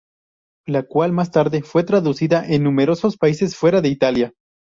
La cual, más tarde, fue traducida en numerosos países fuera de Italia.